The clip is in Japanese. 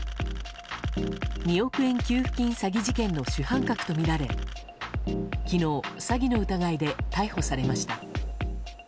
２億円給付金詐欺事件の主犯格とみられ昨日、詐欺の疑いで逮捕されました。